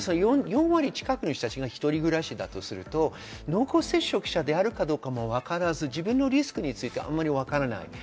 ４割近くの人たちが一人暮らしだとすると、濃厚接触者であるかどうかもわからず自分のリスクについてわからない。